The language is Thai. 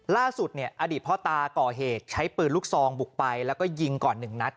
ล่าสุดเนี่ยอดีตพ่อตาก่อเหตุใช้ปืนลูกซองบุกไปแล้วก็ยิงก่อน๑นัด